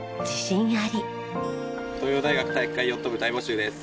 東洋大学体育会ヨット部大募集です。